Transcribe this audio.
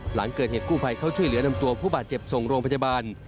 หลังเกิดเหตุกู้ภัยเข้าช่วยเหลือนำตัวผู้บาดเจ็บส่งโรงพยาบาล